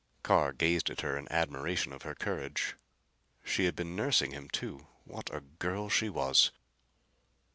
Carr gazed at her in admiration of her courage. She had been nursing him, too! What a girl she was!